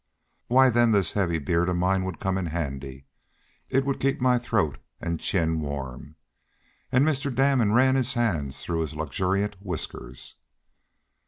"Why, then this heavy beard of mine would come in handy. It would keep my throat and chin warm." And Mr. Damon ran his hands through his luxuriant whiskers.